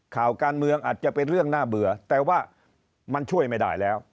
ข่าวการเมืองอาจจะเป็นเรื่องน่าเบื่อแต่ว่ามันช่วยไม่ได้แล้ว